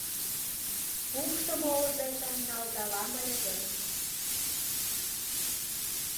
Пукшымо ожетым налдалам ыле гын